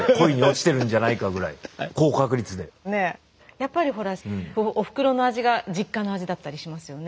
やっぱりほらおふくろの味が実家の味だったりしますよね。